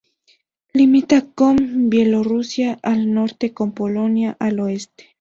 Limita con Bielorrusia al norte y con Polonia al oeste.